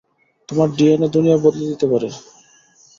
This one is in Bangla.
তোমার ডিএনএ দুনিয়া বদলে দিতে পারে।